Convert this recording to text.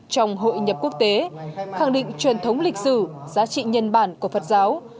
trong hội nhập quốc tế khẳng định truyền thống lịch sử giá trị nhân bản của phật giáo